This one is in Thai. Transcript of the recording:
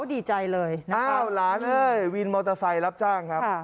ดีใจเลยล้านเว้ยวินมอเตอร์ไฟรับจ้างครับ